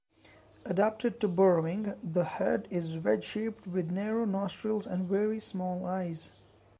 Adapted to burrowing, the head is wedge-shaped with narrow nostrils and very small eyes.